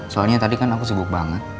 soalnya tadi kan aku sibuk banget